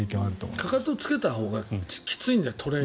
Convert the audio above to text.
かかとをつけたほうがきついんだよ。